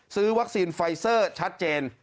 ซื้อวัคซีนไฟเซอร์ชัดเจน